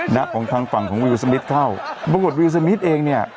นะของทางฝั่งของวิวสมิทเข้าปรากฏวิวสมิทเองเนี่ย